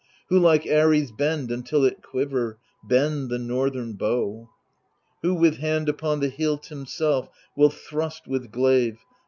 Who like Ares bend until it quiver, Bend the northern bow ? Who with hand upon the hilt himself will thrust with glaive.